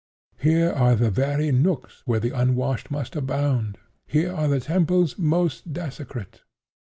Here are the very nooks where the unwashed most abound—here are the temples most desecrate.